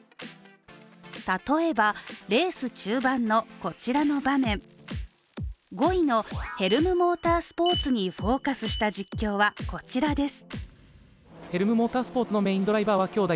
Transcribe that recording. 例えば、レース中盤のこちらの場面、５位のヘルムモータースポーツにフォーカスした実況はこちらです。